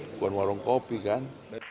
bukan warung kopi kan